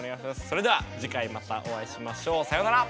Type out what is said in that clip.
それでは次回またお会いしましょう。さようなら！